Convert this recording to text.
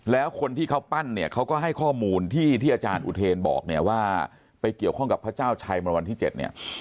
แล้วคนที่เขาปั้นเขาก็ให้ข้อมูลที่อาจารย์อุทเทนบอกว่าไปเกี่ยวข้องกับพระเจ้าชัยวรมันที่๗